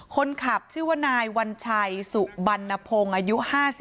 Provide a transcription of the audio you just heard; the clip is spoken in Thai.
คนขับชื่อว่านายวัญชัยสุบรรณพงศ์อายุ๕๓